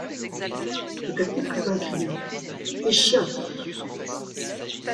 Tout à coup Clubin cria: — Faichien!